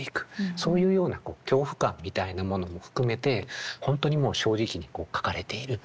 そういうような恐怖感みたいなものも含めて本当にもう正直に書かれている。